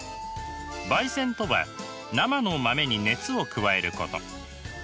焙煎とは生の豆に熱を加えること。